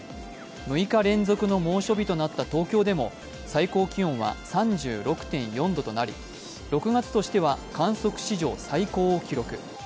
６日連続の猛暑日となった東京でも最高気温は３６．４度となり、６月としては観測史上最高を記録。